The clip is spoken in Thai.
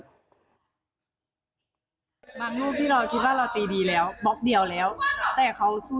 บางลูกที่เราคิดว่าเราตีดีแล้วบล็อคเดียวแล้ว